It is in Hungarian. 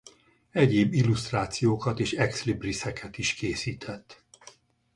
Egyéb illusztrációkat és ex libriseket is készített.